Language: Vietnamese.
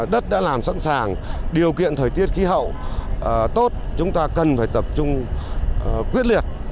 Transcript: đất đã làm sẵn sàng điều kiện thời tiết khí hậu tốt chúng ta cần phải tập trung quyết liệt